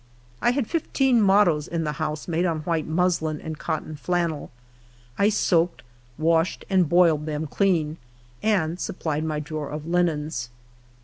1 had fifteen mottoes in the house made on white muslin and cotton flannel. I soaked, washed, and boiled them clean, and supplied my drawer of linens.